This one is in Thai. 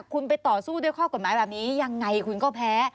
คุณไปต่อสู้ด้วยข้อกฎหมายแบบนี้ยังไงคุณก็แพ้